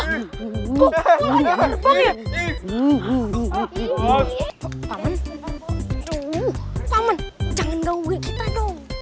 kita udah telat